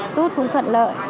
rút cũng thuận lợi